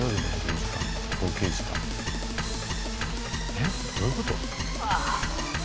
えっ？どういうこと？